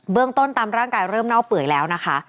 เรื่องต้นตามร่างกายเริ่มเน่าเปื่อยแล้วนะคะ